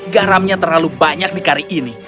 garamnya terlalu banyak di kari ini